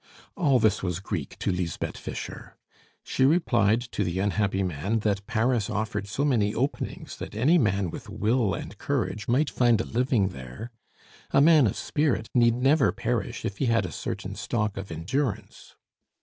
All this was Greek to Lisbeth Fischer. She replied to the unhappy man that Paris offered so many openings that any man with will and courage might find a living there. A man of spirit need never perish if he had a certain stock of endurance.